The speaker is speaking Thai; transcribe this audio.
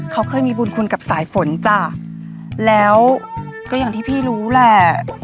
เขาเคยมีบุญคุณกับสายฝนจ้ะแล้วก็อย่างที่พี่รู้แหละ